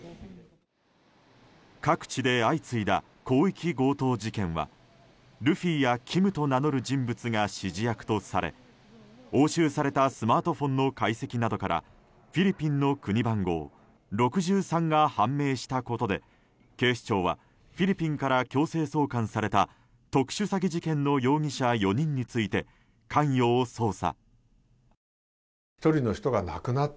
各地で相次いだ広域強盗事件はルフィやキムと名乗る人物が指示役とされ押収されたスマートフォンの解析などからフィリピンの国番号６３が判明したことで警視庁はフィリピンから強制送還された特殊詐欺事件の容疑者４人について関与を捜査。